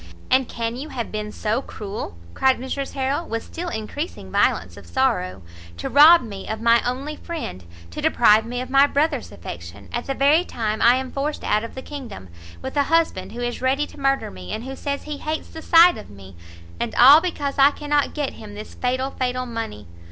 "And can you have been so cruel?" cried Mrs Harrel, with still encreasing violence of sorrow, "to rob me of my only friend, to deprive me of my Brother's affection, at the very time I am forced out of the kingdom, with a husband who is ready to murder me, and who says he hates the sight of me, and all because I cannot get him this fatal, fatal money!